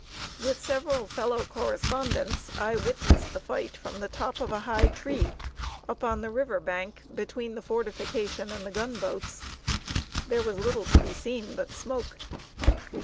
With several fellow correspondents, I witnessed the fight from the top of a high tree, up on the river bank, between the fortification and the gun boats. There was little to be seen but smoke.